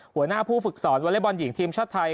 หัวหน้าผู้ฝึกสอนวอเล็กบอลหญิงทีมชาติไทย